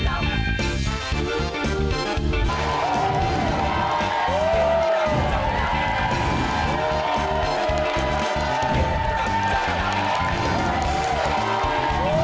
สวัสดีค่ะ